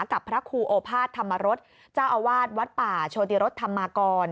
กับพระครูโอภาษธรรมรสเจ้าอาวาสวัดป่าโชติรสธรรมากร